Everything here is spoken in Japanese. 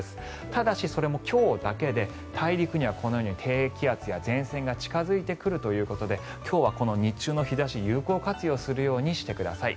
ただし、それも今日だけで大陸にはこのように低気圧や前線が近付いてくるということで今日はこの日中の日差しを有効活用するようにしてください。